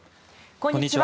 こんにちは。